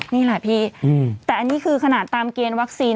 นี่แหละพี่แต่อันนี้คือขนาดตามเกณฑ์วัคซีน